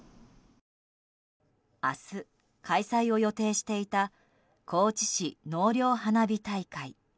明日、開催を予定していた高知市納涼花火大会。